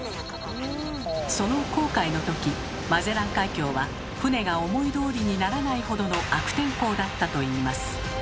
その航海のときマゼラン海峡は船が思いどおりにならないほどの悪天候だったといいます。